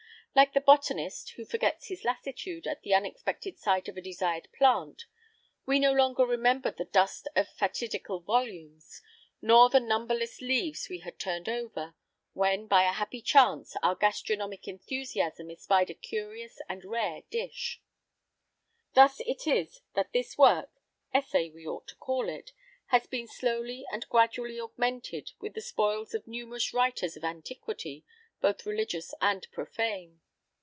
Like the botanist, who forgets his lassitude at the unexpected sight of a desired plant, we no longer remembered the dust of fatidical volumes, nor the numberless leaves we had turned over, when by a happy chance our gastronomic enthusiasm espied a curious and rare dish. Thus it is that this work essay, we ought to call it has been slowly and gradually augmented with the spoils of numerous writers of antiquity, both religious and profane.